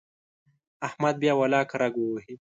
احمد بیا ولاکه رګ ووهي.